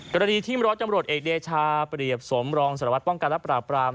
กรณีที่มร้อยจำรวจเอกเดชาเปรียบสมรองสารวัตรป้องกันและปราบราม